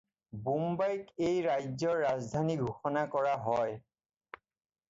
বোম্বাইক এই ৰাজ্যৰ ৰাজধানী ঘোষনা কৰা হয়।